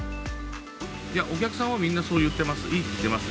お客さんはみんなそう言ってます。